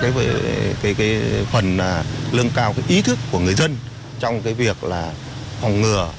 qua đó góp phần lương cao ý thức của người dân trong việc phòng ngừa